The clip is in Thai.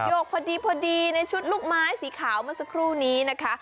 โยกพอดีในชุดลูกไม้สีขาวมาสักครู่นี้นะคะ